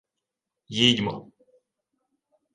— Їдьмо.